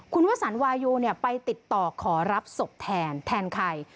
คุณวสันวายูไปติดต่อขอรับศพแทนแทนใคร